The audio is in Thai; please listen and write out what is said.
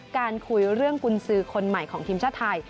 การคุยเรื่องกุญสือคนใหม่ของทีมชาติไทย